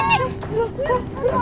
buruan buruan ayo